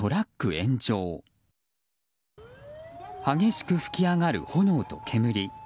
激しく噴き上がる炎と煙。